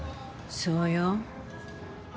そうよ。